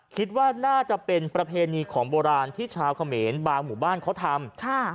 คิดว่าน่าจะเป็นประเพณีของโบราณที่ชาวเขมรบางหมู่บ้านเขาทำ